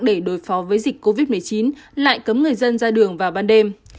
để đối phó với dịch covid một mươi chín lại cấm người dân ra đường vào ban đêm